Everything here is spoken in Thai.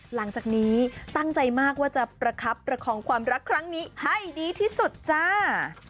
หลังจากนี้ตั้งใจมากว่าจะประคับประคองความรักครั้งนี้ให้ดีที่สุดจ้า